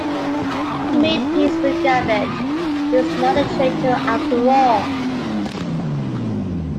He made peace with Gambit, who was not the traitor after all.